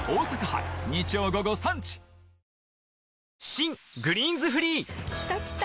新「グリーンズフリー」きたきた！